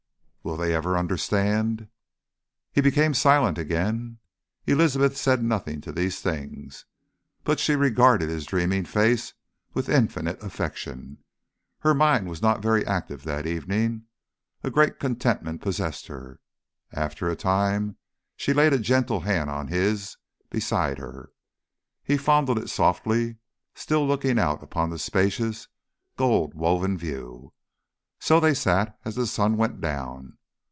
"Will they ever understand?" He became silent again. Elizabeth said nothing to these things, but she regarded his dreaming face with infinite affection. Her mind was not very active that evening. A great contentment possessed her. After a time she laid a gentle hand on his beside her. He fondled it softly, still looking out upon the spacious gold woven view. So they sat as the sun went down.